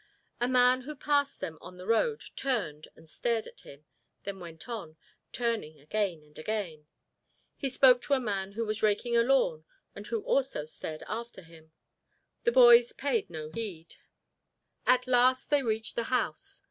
A man who passed them on the road turned and stared at him, then went on, turning again and again. He spoke to a man who was raking a lawn and who also stared after him. The boys paid no heed. At last they reached the house.